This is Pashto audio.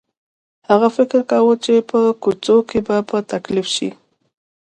هغې فکر کاوه چې په کوڅو کې به تکليف شي.